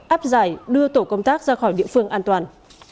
áp giải đưa tổ công tác ra khỏi địa phương an toàn